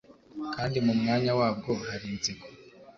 kandi mu mwanya wabwo hari inseko